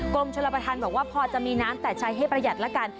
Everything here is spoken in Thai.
กรมชลประธานบอกว่าพอจะมีน้ำแต่ใช้ให้ประหยัดละกัน